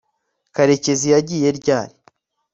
karekezi yagiye ryari